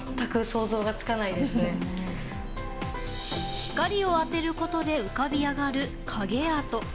光を当てることで浮かび上がる影アート。